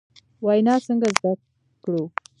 وینا څنګه زدکړو ؟